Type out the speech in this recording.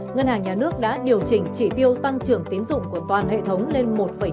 ngân hàng nhà nước đã điều chỉnh chỉ tiêu tăng trưởng tín dụng của toàn hệ thống lên một năm hai